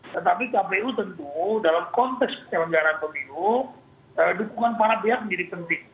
tetapi kpu tentu dalam konteks penyelenggaraan pemilu dukungan para pihak menjadi penting